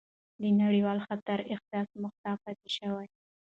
د نړیوال خطر احساس محتاط پاتې شو،